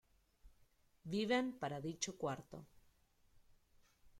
Viven para dicho cuarto.